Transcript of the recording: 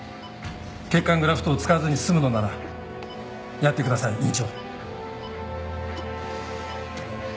血管グラフトを使わずに済むのならやってください院長。